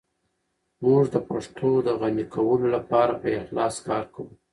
موږ د پښتو د غني کولو لپاره په اخلاص کار کوو.